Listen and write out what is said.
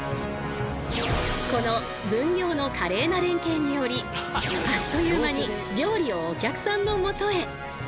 この分業の華麗な連携によりあっという間に料理をお客さんのもとへ。